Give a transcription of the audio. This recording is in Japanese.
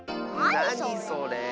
なにそれ。